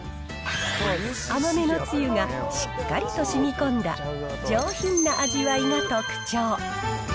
甘めのつゆがしっかりとしみこんだ上品な味わいが特徴。